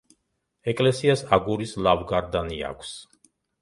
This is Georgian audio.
ეკლესიას აგურის ლავგარდანი აქვს.